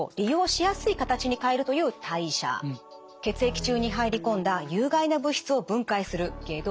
血液中に入り込んだ有害な物質を分解する解毒。